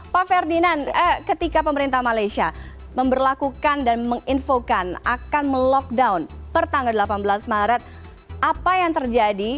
pak ferdinand ketika pemerintah malaysia memperlakukan dan menginfokan akan melockdown pertanggal delapan belas maret apa yang terjadi